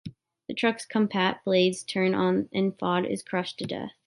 The truck's compact blades turn on and Fuad is crushed to death.